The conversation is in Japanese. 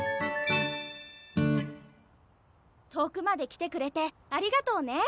遠くまで来てくれてありがとうね。